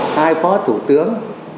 hai phó thủ tướng